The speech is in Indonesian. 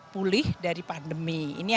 pulih dari pandemi ini